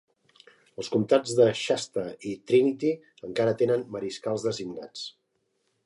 Els comtats de Shasta i Trinity encara tenen mariscals designats.